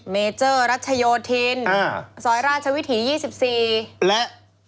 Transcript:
เมเจอร์รัชโยธินซอยราชวิถี๒๔และ